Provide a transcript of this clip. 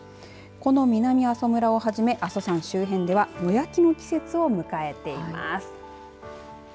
この南阿蘇村をはじめ阿蘇山周辺では野焼きの季節を迎えています。